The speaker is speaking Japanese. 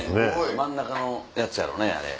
真ん中のやつやろね。